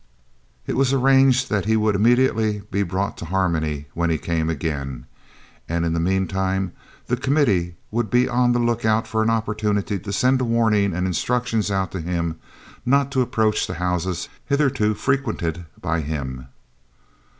It was arranged that he would immediately be brought to Harmony when he came again, and in the meantime the Committee would be on the look out for an opportunity to send a warning and instructions out to him not to approach the houses hitherto frequented by him.